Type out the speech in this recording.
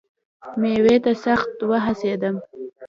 مېوې ته سخت وهوسېدم .